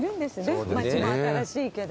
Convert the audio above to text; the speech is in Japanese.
街も新しいけど。